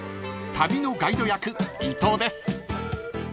旅のガイド役伊藤です］